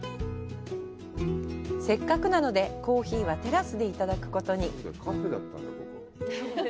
せっかくなので、コーヒーはテラスでいただくことに。